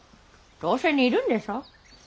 どうせ煮るんでしょ。